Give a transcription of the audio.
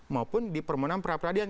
maupun di permohonan pra peradilan